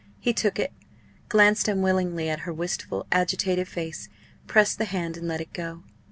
He took it, glanced unwillingly at her wistful, agitated face, pressed the hand, and let it go.